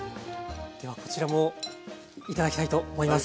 ではこちらも頂きたいと思います。